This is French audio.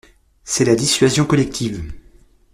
C’est la dissuasion collective.